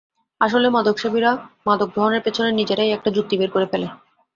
আসলে মাদকসেবীরা মাদক গ্রহণের পেছনে নিজেরাই একটা যুক্তি বের করে ফেলে।